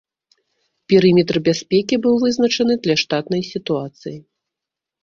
Перыметр бяспекі быў вызначаны для штатнай сітуацыі.